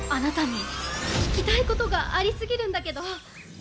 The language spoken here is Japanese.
あなたに聞きたいことがあり過ぎるんだけど。